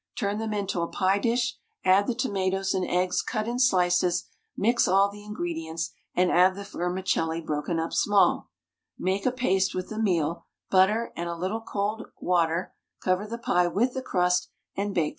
Turn them into a pie dish, add the tomatoes and eggs cut in slices, mix all the ingredients, and add the vermicelli broken up small. Make a paste with the meal, butter, and a little cold water, cover the pie with the crust, and bake for 1 hour. TOMATO TORTILLA. 1 lb.